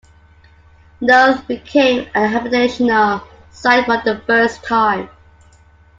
Knowth became a habitational site for the first time.